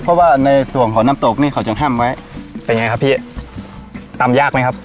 เพราะว่าในส่วนของน้ำตกนี่เขาจะห้ามไว้เป็นไงครับพี่ตำยากไหมครับ